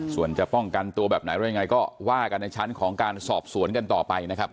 ส่วนจะป้องกันตัวแบบไหนอะไรยังไงก็ว่ากันในชั้นของการสอบสวนกันต่อไปนะครับ